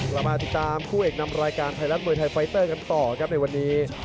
เรามาติดตามคู่เอกนำรายการไทยรัฐมวยไทยไฟเตอร์กันต่อครับในวันนี้